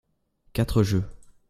quantre jeux.